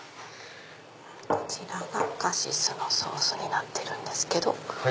こちらがカシスのソースになってるんですけど。